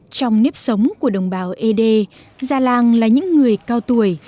trong nếp sống của đồng bào ed già làng là những người cao tuổi